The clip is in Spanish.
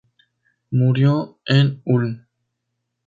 Murió en Ulm.